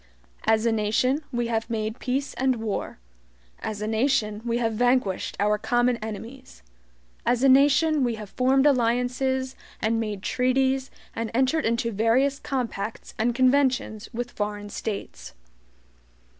As a nation we have made peace and war; as a nation we have vanquished our common enemies; as a nation we have formed alliances, and made treaties, and entered into various compacts and conventions with foreign states.